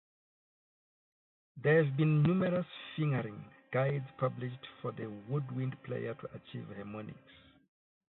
There have been numerous fingering guides published for the woodwind player to achieve harmonics.